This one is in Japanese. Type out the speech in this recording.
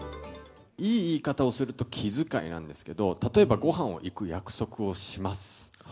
いい言い方をすると、気遣いなんですけど、例えば、ごはんに行く約束をします。